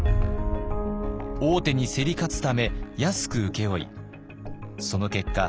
大手に競り勝つため安く請け負いその結果